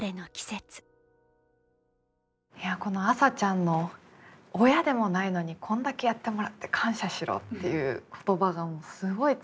いやこの麻ちゃんの「親でもないのにこんだけやってもらって感謝しろ！」っていう言葉がすごい痛快ですよね。